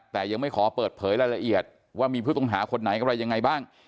แต่ยังไม่ขอเปิดเผยรายละเอียดว่ามีผู้ต้องหาคนไหนอะไรยังไงบ้าง